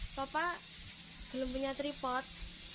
bapak belum punya tripod